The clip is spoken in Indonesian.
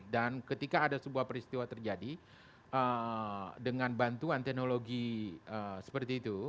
dan ketika ada sebuah peristiwa terjadi dengan bantuan teknologi seperti itu